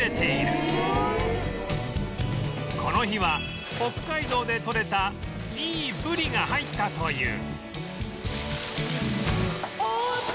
この日は北海道でとれたいいブリが入ったという